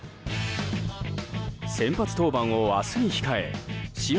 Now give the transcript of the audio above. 先発登板を明日に控え試合